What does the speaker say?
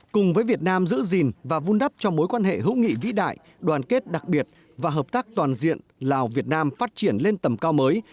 cùng với việt nam giữ gìn và vun đắp cho mối quan hệ hữu nghị vĩ đại đoàn kết đặc biệt và hợp tác toàn diện lào việt nam phát triển lên tầm cao mới